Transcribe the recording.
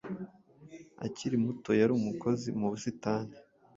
akiri muto yari umukozi mu busitani,